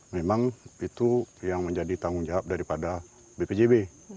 memang itu yang menjadi tanggung jawab daripada bpjb